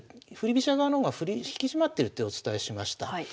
飛車側の方が引き締まってるってお伝えしました。